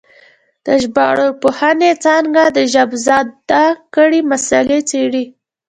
د ژبارواپوهنې څانګه د ژبزده کړې مسالې څېړي